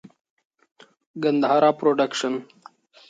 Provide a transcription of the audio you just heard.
ګندهارا پروډکشن.